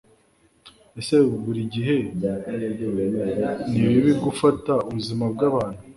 Ese buri gihe ni bibi gufata ubuzima bwabantu?